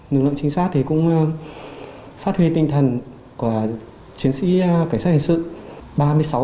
lực lượng trinh sát thì cũng phát huy tinh thần của chiến sĩ cảnh sát hành sự